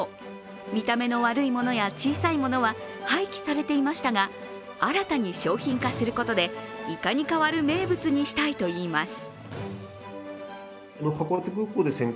見た目の悪いものや小さいものは廃棄されていましたが、新たに商品化することでいかに変わる名物にしたいといいます。